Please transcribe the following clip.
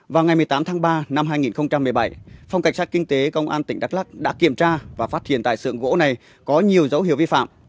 vào ngày một mươi tám tháng ba năm hai nghìn một mươi bảy phòng cảnh sát kinh tế công an tỉnh đắk lắc đã kiểm tra và phát hiện tại xưởng gỗ này có nhiều dấu hiệu vi phạm